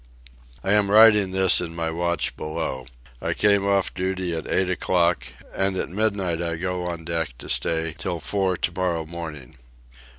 I am writing this in my watch below. I came off duty at eight o'clock, and at midnight I go on deck to stay till four to morrow morning.